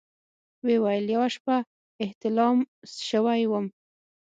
ويې ويل يوه شپه احتلام سوى وم.